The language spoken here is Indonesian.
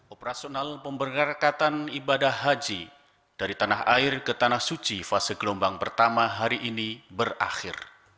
operasional pemberherekatan ibadah haji dari tanah air ke tanah suci fase gelombang pertama hari ini berakhir